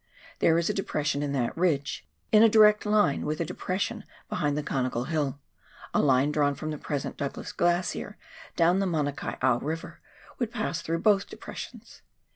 There is a depression in that ridge, in a direct line with the depression behind the conical hill ; a line drawn from the present Douglas Glacier down the Mana kai au River would pass through both depressions.